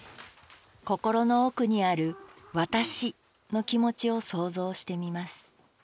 心の奥にある「私」の気持ちを想像してみます